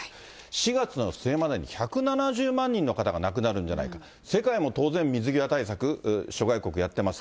４月の末までに、１７０万人の方が亡くなるんじゃないか、世界も当然、水際対策、諸外国、やってます。